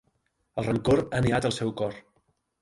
El rancor ha niat al seu cor.